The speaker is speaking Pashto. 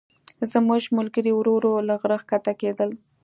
زموږ ملګري ورو ورو له غره ښکته کېدل.